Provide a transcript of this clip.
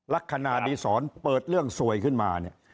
ลักษณะดีศรเปิดเรื่องสวยขึ้นมาเนี่ย